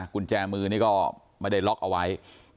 กุญแจมือนี่ก็ไม่ได้ล็อกเอาไว้